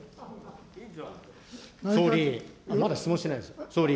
総理、まだ質問してないです。